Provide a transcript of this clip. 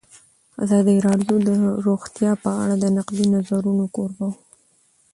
ازادي راډیو د روغتیا په اړه د نقدي نظرونو کوربه وه.